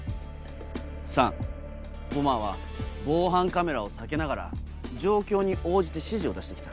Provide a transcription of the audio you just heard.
３ボマーは防犯カメラを避けながら状況に応じて指示を出して来た。